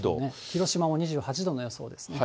広島も２８度の予想ですね。